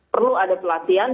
perlu ada pelatihan